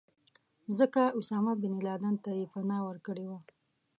ځکه اسامه بن لادن ته یې پناه ورکړې وه.